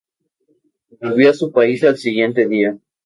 Volvió a su país al día siguiente.